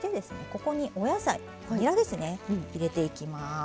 ここにお野菜にらですね入れていきます。